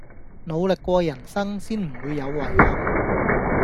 努力過人生先唔會有遺憾